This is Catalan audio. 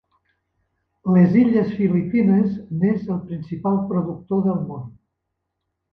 Les illes Filipines n'és el principal productor del món.